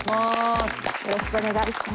よろしくお願いします。